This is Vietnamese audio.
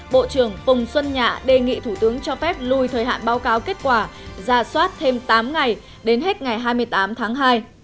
bộ trưởng phùng xuân nhạ đề nghị thủ tướng cho phép lùi thời hạn báo cáo kết quả ra soát thêm tám ngày đến hết ngày hai mươi tám tháng hai